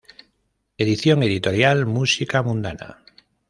Edición: Editorial Música Mundana.